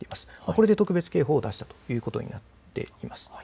それで特別警報を出したということになっています。